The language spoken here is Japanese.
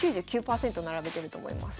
９９％並べてると思います。